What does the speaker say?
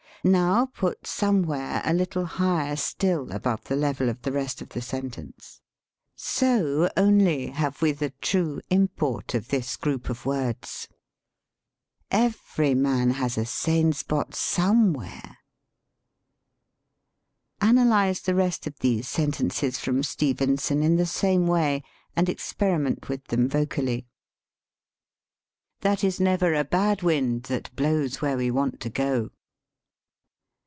Now put somewhere a little higher still above the level of the rest of the sentence. So, only, have we the true import of this group of words: some where, sane spot Every man has a Analyze the rest of these sentences from Stevenson in the same way, and experiment with them vocally. " That is never a bad wind that blows where we want to go."